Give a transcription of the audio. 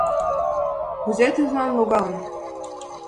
Кузе Тузлан логалын?!